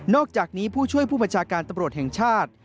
อกจากนี้ผู้ช่วยผู้บัญชาการตำรวจแห่งชาติ